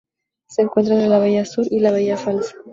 Se encuentra entre la bahía Sur y la bahía Falsa.